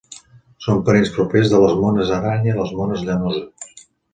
Són parents propers de les mones aranya i les mones llanoses.